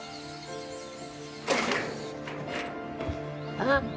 あっ。